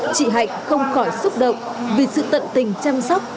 chị hạnh không khỏi xúc động vì sự tận tình chăm sóc